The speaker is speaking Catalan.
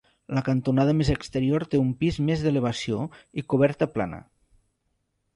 La cantonada més exterior té un pis més d'elevació i coberta plana.